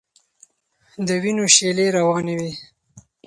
د وینو شېلې روانې وې.